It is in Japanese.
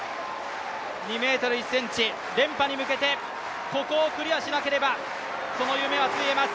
２ｍ１ｃｍ、連覇に向けてここをクリアしなければその夢はついえます。